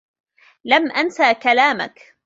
لم أنس كلامك.